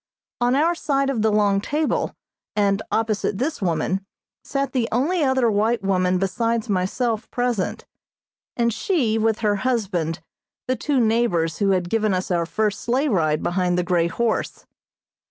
On our side of the long table, and opposite this woman, sat the only other white woman besides myself present, and she, with her husband, the two neighbors who had given us our first sleigh ride behind the grey horse.